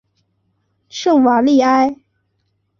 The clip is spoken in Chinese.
圣瓦利埃。